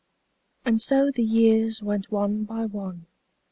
And so the years went one by one.